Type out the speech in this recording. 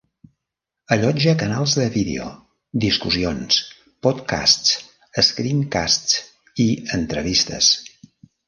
Allotja canals de vídeo, discussions, podcasts, screencasts i entrevistes.